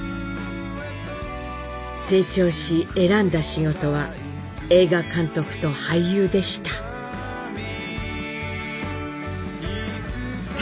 成長し選んだ仕事は映画監督と俳優でした。